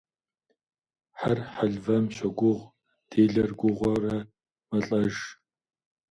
Хьэр хьэлывэм щогуыгъ, делэр гугъэурэ мэлӏэж.